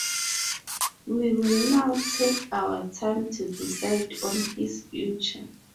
We will now take our time to decide on his future.